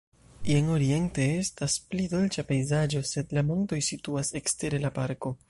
Jen oriente estas pli dolĉa pejzaĝo, sed la montoj situas ekstere la parko.